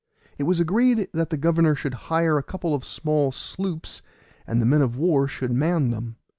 It was agreed that the governor should hire a couple of small sloops, and the men of war should man them.